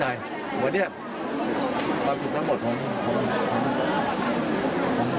คือคือที่สุขภาพจิตใจของคน